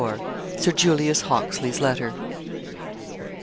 SIR JULIUS HOCKLEY'S LETTER.